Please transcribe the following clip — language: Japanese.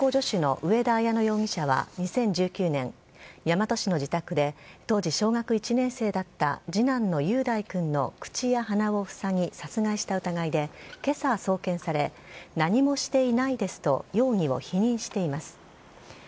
自称、看護助手の上田綾乃容疑者は、２０１９年、大和市の自宅で、当時小学１年生だった次男の雄大君の口や鼻を塞ぎ、殺害した疑いで、けさ送検され、何もしていないですと容疑を否認しています。